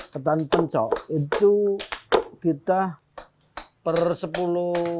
jadi kalau kita bikin ketan penco